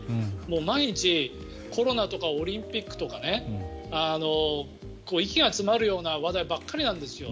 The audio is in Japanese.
毎日コロナとかオリンピックとか息が詰まるような話題ばっかりなんですよ。